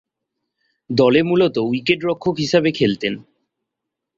দলে মূলতঃ উইকেট-রক্ষক হিসেবে খেলতেন।